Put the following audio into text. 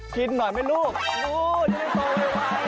กินหน่อยไหมลูกดูจะได้โตไว